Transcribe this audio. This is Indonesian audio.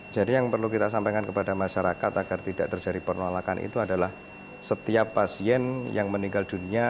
jadi yang perlu kita sampaikan kepada masyarakat agar tidak terjadi penolakan itu adalah setiap pasien yang meninggal dunia